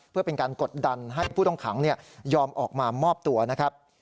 เพื่อเป็นการกดดันให้ผู้ต้องขังยอมออกมามอบตัวนะครับ